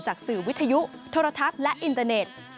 สื่อวิทยุโทรทัศน์และอินเตอร์เน็ต